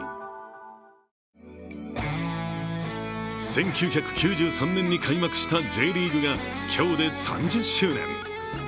１９９３年に開幕したＪリーグが今日で３０周年。